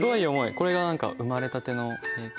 これが何か生まれたての平均？